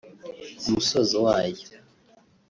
Ku musozo wayo